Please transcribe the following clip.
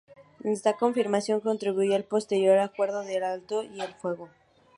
Esta confirmación contribuyó al posterior acuerdo de alto el fuego.